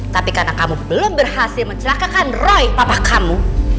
tapi karena kamu belum berhasil mencelakakan roy papa kamu